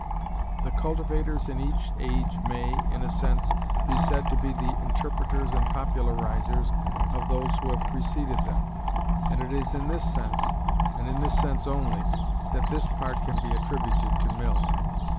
The cultivators in each age may, in a sense, be said to be the interpreters and popularizers of those who have preceded them; and it is in this sense, and in this sense only, that this part can be attributed to Mill.